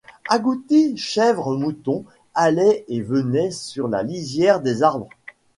Agoutis, chèvres, moutons, allaient et venaient sur la lisière des arbres.